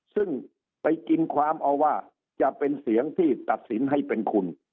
ซึ่งไปกินความเอาว่าจะเป็นเสียงที่ตัดสินให้เป็นคุณ